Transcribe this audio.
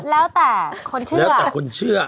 แล้วแต่แล้วแต่คนเชื่อ